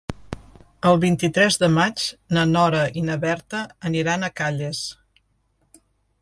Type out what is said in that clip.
El vint-i-tres de maig na Nora i na Berta aniran a Calles.